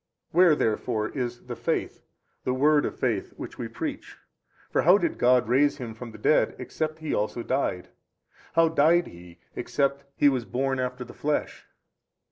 Where therefore is the Faith, the word of faith which we preach? for how did God raise Him from the dead except He also died? how died He except He was born after the flesh?